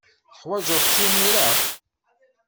Teḥwajeḍ-t imir-a?